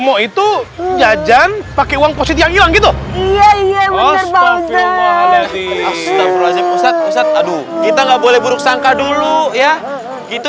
gitu iya iya bener bener adik adik ustadz ustadz aduh kita nggak boleh buruk sangka dulu ya itu